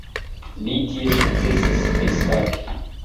Li tie sukcesis eskapi.